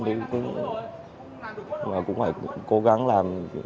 nhưng mà cũng phải cố gắng làm